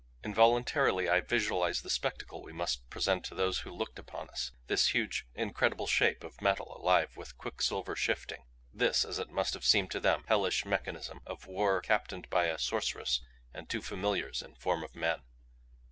Involuntarily I visualized the spectacle we must present to those who looked upon us this huge incredible Shape of metal alive with quicksilver shifting. This as it must have seemed to them hellish mechanism of war captained by a sorceress and two familiars in form of men.